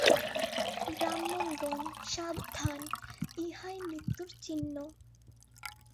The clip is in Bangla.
ব্রাহ্মণগণ, সাবধান, ইহাই মৃত্যুর চিহ্ন।